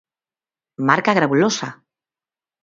Marca Grabulosa.